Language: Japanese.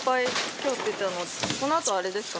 今日ってこのあとあれですか？